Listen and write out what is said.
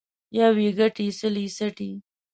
يو يې گټي ، سل يې څټي.